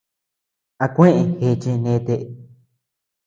A kueʼe gèche nete.